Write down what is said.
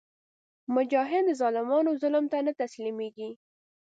مجاهد د ظالمانو ظلم ته نه تسلیمیږي.